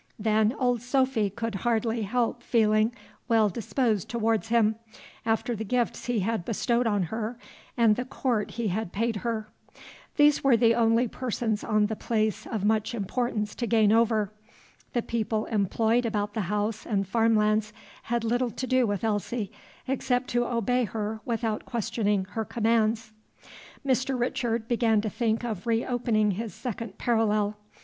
Then old Sophy could hardly help feeling well disposed towards him, after the gifts he had bestowed on her and the court he had paid her. These were the only persons on the place of much importance to gain over. The people employed about the house and farm lands had little to do with Elsie, except to obey her without questioning her commands. Mr. Richard began to think of reopening his second parallel.